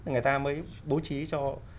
người ta mới bố trí cho